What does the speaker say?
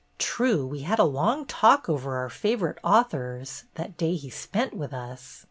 True, we had a long talk over our favorite authors, that day he spent with us.